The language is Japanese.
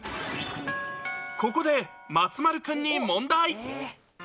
ここで松丸君に問題。